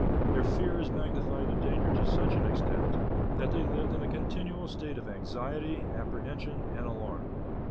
Their fears magnified the danger to such an extent, that they lived in a continual state of anxiety, apprehen sion, and alarm.